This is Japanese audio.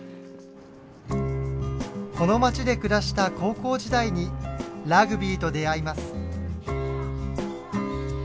この街で暮らした高校時代にラグビーと出会います。